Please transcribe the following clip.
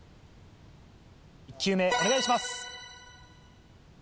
１球目お願いします。